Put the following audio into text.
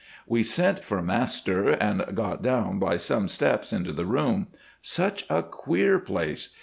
"We sent for master, and got down by some steps into the room. Such a queer place!